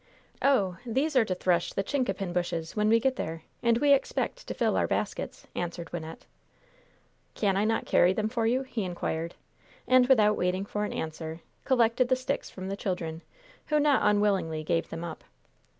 "Oh! these are to thresh the chincapin bushes, when we get there! And we expect to fill our baskets!" answered Wynnette. "Can I not carry them for you?" he inquired; and without waiting for an answer, collected the sticks from the children, who not unwillingly gave them up.